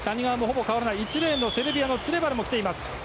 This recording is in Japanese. １レーンのセルビアのツレバルも来ている。